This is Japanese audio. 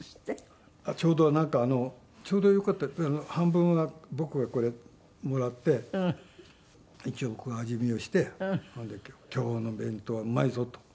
ちょうどなんかちょうどよかった半分は僕がこれもらって一応僕が味見をして今日の弁当はうまいぞと。